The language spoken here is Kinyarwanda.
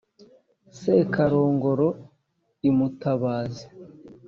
sekarongoro i mutabazi